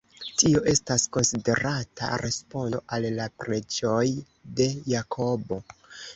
Tio estas konsiderata respondo al la preĝoj de Jakobo.